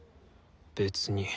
別に。